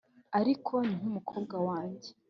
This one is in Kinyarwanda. ariko ni nkumukobwa wanjye